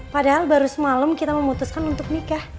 padahal baru semalam kita memutuskan untuk nikah